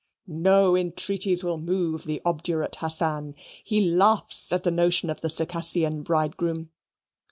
No entreaties will move the obdurate Hassan. He laughs at the notion of the Circassian bridegroom.